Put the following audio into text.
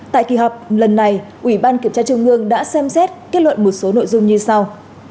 tại kỳ họp lần này ủy ban kiểm tra trung ương đã xem xét kết luận một số nội dung như sau